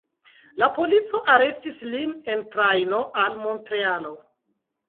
La polico arestis lin en trajno al Montrealo.